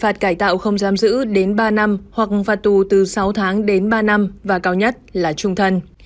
phạt cải tạo không giam giữ đến ba năm hoặc phạt tù từ sáu tháng đến ba năm và cao nhất là trung thân